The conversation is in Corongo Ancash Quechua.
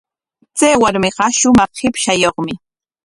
Chay warmiqa shumaq qipshayuqmi.